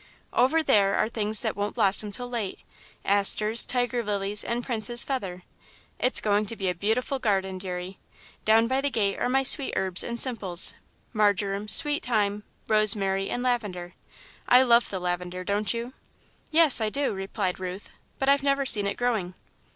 Over there are things that won't blossom till late asters, tiger lilies and prince's feather. It's going to be a beautiful garden, deary. Down by the gate are my sweet herbs and simples marjoram, sweet thyme, rosemary, and lavender. I love the lavender, don't you?" "Yes, I do," replied Ruth, "but I've never seen it growing."